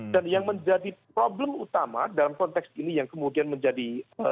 dan yang menjadi problem utama dalam konteks ini yang kemudian menjadi